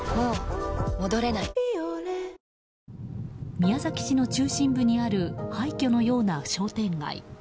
宮崎市の中心部にある廃墟のような商店街。